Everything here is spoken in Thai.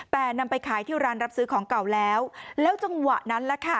แต่นำไปขายที่ร้านรับซื้อของเก่าแล้วแล้วจังหวะนั้นแหละค่ะ